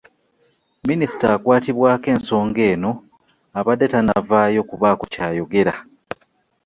Minisita akwatibwako ensonga eno abadde tannavaayo kubaako ky'ayogera.